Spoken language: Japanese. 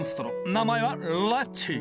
名前はレッチー。